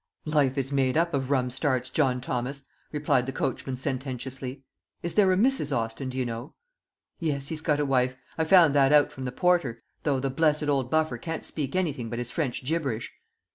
"Life is made up of rum starts, John Thomas," replied the coachman sententiously. "Is there a Mrs. Hostin, do you know?" "Yes, he's got a wife. I found that out from the porter, though the blessed old buffer can't speak anything but his French gibberish.